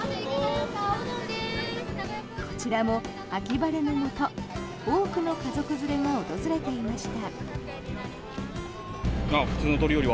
こちらも秋晴れのもと多くの家族連れが訪れていました。